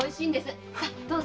さどうぞ。